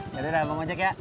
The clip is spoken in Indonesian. ya udah abang ojek ya